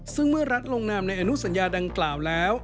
ซึ่งเมื่อรัฐลงนามในอนุสัญญาดังกล่าวแล้ว